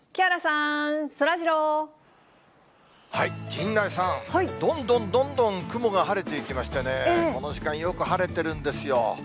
陣内さん、どんどんどんどん雲が晴れていきましてね、この時間、よく晴れてるんですよ。